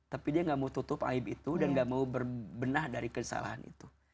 tapi dia gak mau tutup aib itu dan gak mau berbenah dari kesalahan itu